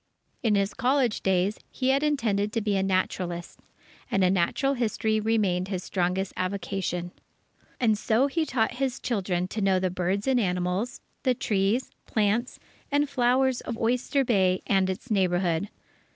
In his college days, he had intended to be a naturalist, and natural history remained his strongest avocation. And so he taught his children to know the birds and animals, the trees, plants, and flowers of Oyster Bay and its neighbourhood.